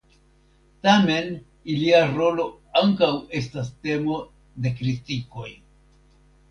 Tamen ilia rolo ankaŭ estas temo de kritikoj.